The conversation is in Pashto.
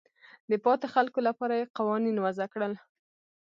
د پاتې خلکو لپاره یې قوانین وضع کړل.